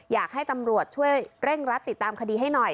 อยากให้ตำรวจช่วยเร่งรัดติดตามคดีให้หน่อย